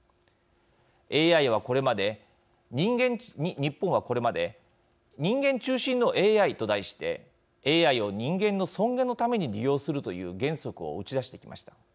ＡＩは、これまで日本はこれまで人間中心のＡＩと題してＡＩを人間の尊厳のために利用するという原則を打ち出してきました。